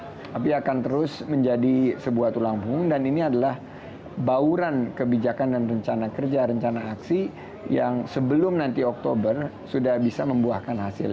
tapi akan terus menjadi sebuah tulang punggung dan ini adalah bauran kebijakan dan rencana kerja rencana aksi yang sebelum nanti oktober sudah bisa membuahkan hasil